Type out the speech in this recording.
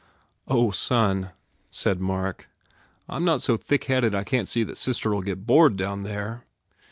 I " "Oh, son," said Mark, "I m not so thickheaded I can t see that sister ll get bored down there."